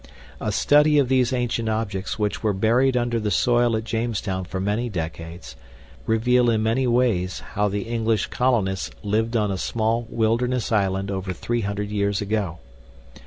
A study of these ancient objects, which were buried under the soil at Jamestown for many decades, reveal in many ways how the English colonists lived on a small wilderness island over 300 years ago.